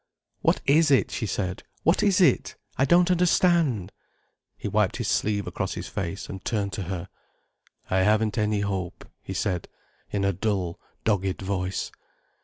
"What is it?" she said. "What is it? I don't understand." He wiped his sleeve across his face, and turned to her. "I haven't any hope," he said, in a dull, dogged voice.